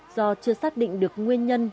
do chưa xác định được nguyên nhân